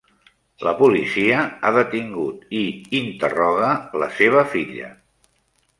La policia ha detingut i interroga la seva filla.